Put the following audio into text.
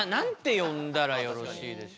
よんだらよろしいでしょう？